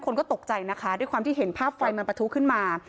คนก็ตกใจนะคะด้วยความที่เห็นภาพไฟมันประทุขึ้นมา